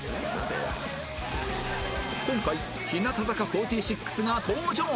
今回日向坂４６が登場！